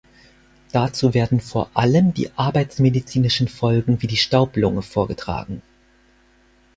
Dazu werden vor allem die arbeitsmedizinischen Folgen wie die Staublunge vorgetragen.